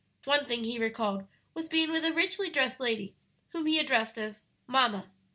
One thing he recalled was being with a richly dressed lady whom he addressed as 'mamma.'